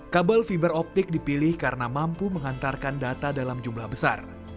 kabel fiberoptik dipilih karena mampu mengantarkan data dalam jumlah besar